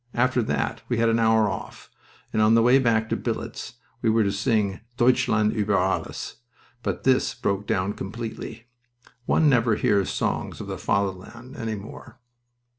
After that we had an hour off, and on the way back to billets we were to sing 'Deutschland uber Alles,' but this broke down completely. One never hears songs of the Fatherland any more."